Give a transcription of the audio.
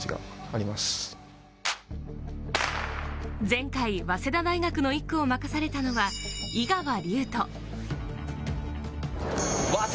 前回、早稲田大学の１区を任されたのは井川龍人。